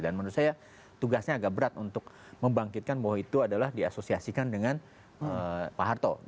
dan menurut saya tugasnya agak berat untuk membangkitkan bahwa itu adalah diasosiasikan dengan pak arto